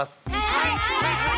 はい！